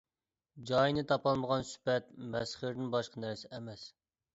جايىنى تاپالمىغان سۈپەت مەسخىرىدىن باشقا نەرسە ئەمەس.